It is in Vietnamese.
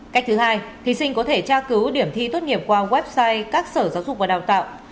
cách thứ hai thí sinh có thể tra cứu điểm thi tốt nghiệp qua website các sở giáo dục và đào tạo